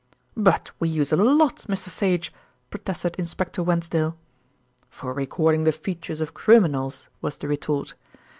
"But we use it a lot, Mr. Sage," protested Inspector Wensdale. "For recording the features of criminals," was the retort.